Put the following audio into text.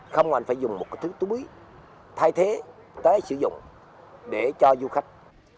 không anh phải dùng một cái túi thay thế tới sử dụng để cho du khách